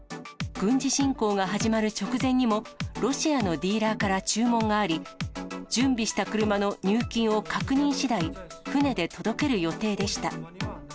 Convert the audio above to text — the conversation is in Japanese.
軍事侵攻が始まる直前にも、ロシアのディーラーから注文があり、準備した車の入金を確認しだい、船で届ける予定でした。